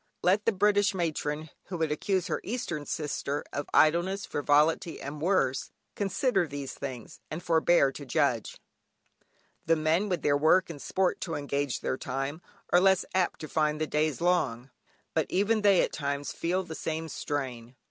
Let the British matron who would accuse her Eastern sister of idleness, frivolity, and worse, consider these things, and forbear to judge. The men, with their work and sport to engage their time, are less apt to find the days long; but even they at times feel the same strain.